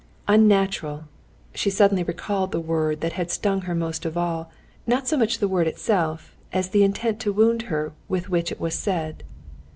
"Unnatural!" She suddenly recalled the word that had stung her most of all, not so much the word itself as the intent to wound her with which it was said.